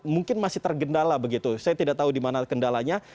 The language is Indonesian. mungkin masih tergendala begitu saya tidak tahu di mana kendalanya